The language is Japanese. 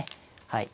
はい。